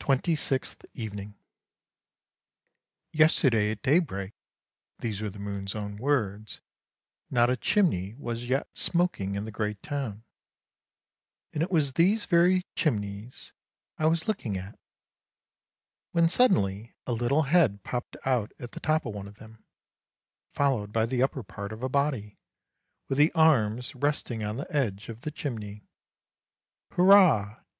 TWENTY SIXTH EVENING ' Yesterday at daybreak," these were the moon's own words, " not a chimney was yet smoking in the great town, and it was these very chimneys I was looking at, when suddenly a little head popped out at the top of one of them, followed by the upper part of a body, with the arms resting on the edge of the chimney. ' Hurrah